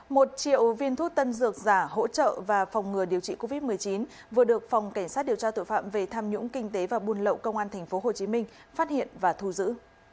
một triệu viên thuốc tân dược giả hỗ trợ và phòng ngừa điều trị covid một mươi chín vừa được phòng cảnh sát điều tra tội phạm về tham nhũng kinh tế và buôn lậu công an tp hcm phát hiện và thu giữ